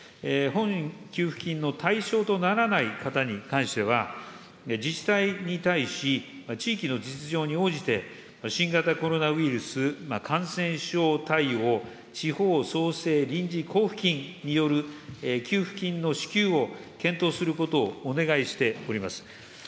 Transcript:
本給付金の対象とならない方に関しては、自治体に対し、地域の実情に応じて、新型コロナウイルス感染症対応地方創生臨時交付金による給付金の支給を検討することをお願いしております。